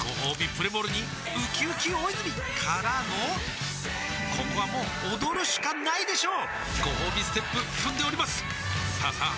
プレモルにうきうき大泉からのここはもう踊るしかないでしょうごほうびステップ踏んでおりますさあさあ